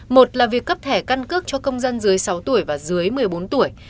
một là việc cấp thẻ căn cước cho công dân dưới sáu tuổi và dưới một mươi bốn tuổi